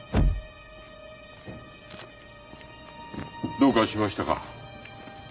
どうかしましたか？